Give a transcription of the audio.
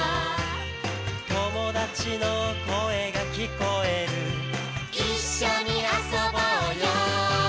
「友達の声が聞こえる」「一緒に遊ぼうよ」